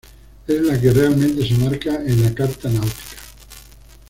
Es la que realmente se marca en la carta náutica.